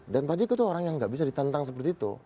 dan pak jk tuh orang yang nggak bisa ditentang seperti itu